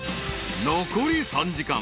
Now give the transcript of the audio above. ［残り３時間。